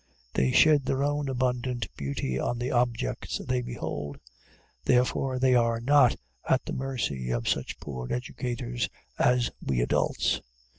They shed their own abundant beauty on the objects they behold. Therefore, they are not at the mercy of such poor educators as we adults.